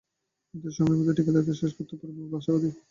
নির্ধারিত সময়ের মধ্যে ঠিকাদার কাজ শেষ করতে পারবেন বলে আমি আশাবাদী।